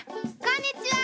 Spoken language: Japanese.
こんにちは！